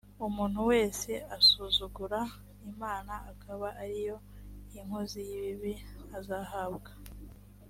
umuntu wese asuzugura imana akaba ari inkozi y ibibi azahanwa